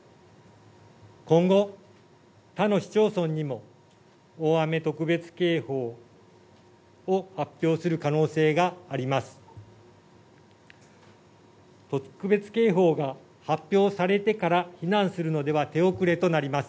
今後、他の市町村にも大雨特別警報を発表する可能性があります。